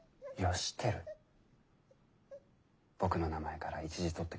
僕の名前から一字とってくれるの？